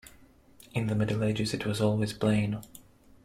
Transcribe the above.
In the Middle Ages it was always plain.